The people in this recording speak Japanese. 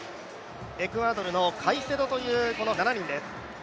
エクアドルのカイセドという７人です。